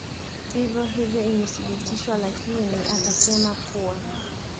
vivyo hivyo vimethibitishwa lakini akasema kuwa